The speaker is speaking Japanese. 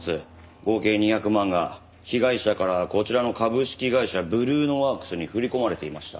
合計２００万が被害者からこちらの株式会社ブルーノワークスに振り込まれていました。